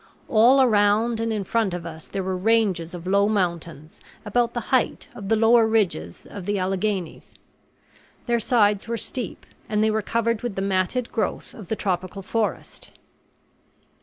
All around and in front of us there were ranges of low mountains about the height of the lower ridges of the Alleghenies. Their sides were steep and they were covered with the matted growth of the tropical forest.